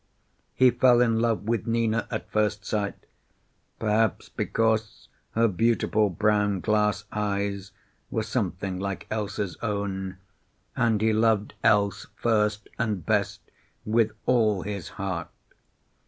He fell in love with Nina at first sight, perhaps because her beautiful brown glass eyes were something like Else's own, and he loved Else first and best, with all his heart.